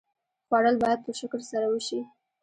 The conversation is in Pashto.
خوړل باید په شکر سره وشي